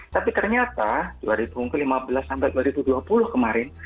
tapi ternyata dari tahun ke lima belas sampai dua ribu dua puluh kemarin